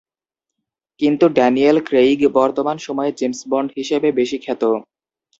কিন্তু Daniel Craig বর্তমান সময়ে "জেমস বন্ড" হিসেবে বেশি খ্যাত।